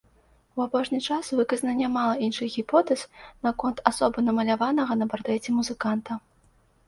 У апошні час выказана нямала іншых гіпотэз наконт асобы намаляванага на партрэце музыканта.